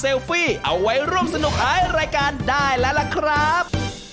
เซลฟี่เอาไว้ร่วมสนุกให้รายการได้แล้วครับ